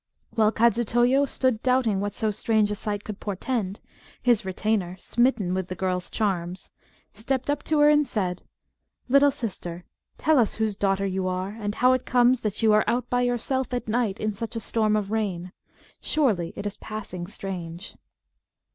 While Kadzutoyo stood doubting what so strange a sight could portend, his retainer, smitten with the girl's charms, stepped up to her and said "Little sister, tell us whose daughter you are, and how it comes that you are out by yourself at night in such a storm of rain. Surely it is passing strange."